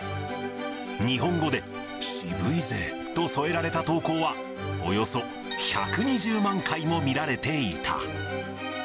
日本語で渋いぜと添えられた投稿は、およそ１２０万回も見られていた。